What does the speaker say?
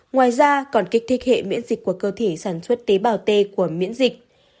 ngoài ra còn kích thích hệ miễn dịch của cơ thể sản xuất tế bào t của miễn dịch